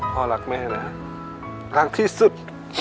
พ่อรักแม่นะรักที่สุด